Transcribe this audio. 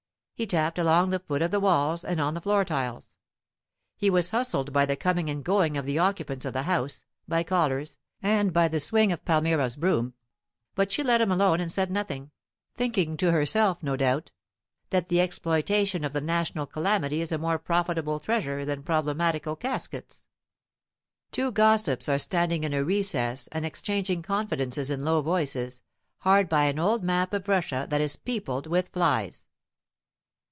He tapped along the foot of the walls and on the floor tiles.. He was hustled by the coming and going of the occupants of the house, by callers, and by the swing of Palmyra's broom; but she let him alone and said nothing, thinking to herself, no doubt, that the exploitation of the national calamity is a more profitable treasure than problematical caskets. Two gossips are standing in a recess and exchanging confidences in low voices, hard by an old map of Russia that is peopled with flies.